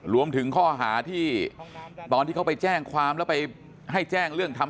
รวมถึงข้อหาที่ตอนที่เขาไปแจ้งความแล้วไปให้แจ้งเรื่องทำ